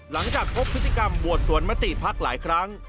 หลังจากพบพฤติกรรมบวชสวนมติภักดิ์หลายครั้ง